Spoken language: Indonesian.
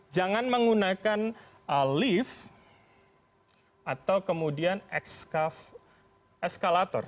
jangan menggunakan lift atau kemudian eskalator